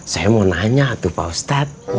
saya mau nanya tuh pak ustadz